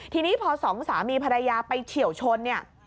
ทีนี้พอ๒สามีพรรยาไปเฉี่ยวชน